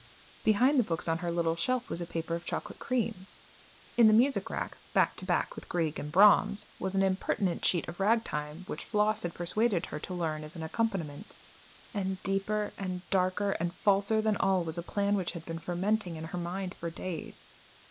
Behind the books on her little shelf was a paper of chocolate creams; in the music rack, back to back with Grieg and Brahms, was an impertinent sheet of ragtime which Floss had persuaded her to learn as an accompaniment. And deeper and darker and falser than all was a plan which had been fermenting in her mind for days.